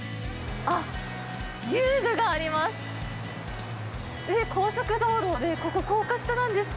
あっ、遊具があります。